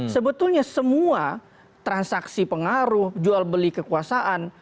sebetulnya semua transaksi pengaruh jual beli kekuasaan